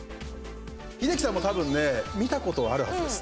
英樹さんも、多分ね見たことあるはずです。